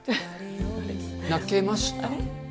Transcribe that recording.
泣けました？